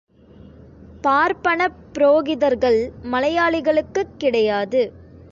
பார்ப்பனப் புரோகிதர்கள் மலையாளிகளுக்குக் கிடையாது.